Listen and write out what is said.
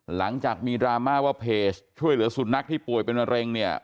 หลังจากมีดราม่าว่าเพจช่วยเหลือสุนัขที่ป่วยเป็นมะเร็งเนี่ย